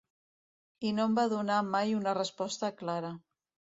I no em van donar mai una resposta clara.